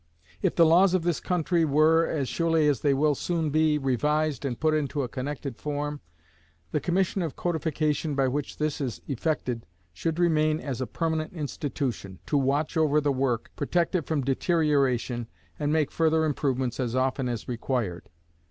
If the laws of this country were, as surely they will soon be, revised and put into a connected form, the Commission of Codification by which this is effected should remain as a permanent institution, to watch over the work, protect it from deterioration, and make further improvements as often as required.